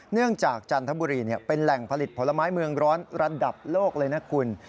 จากจันทบุรีเป็นแหล่งผลิตผลไม้เมืองร้อนระดับโลกเลยนะคุณ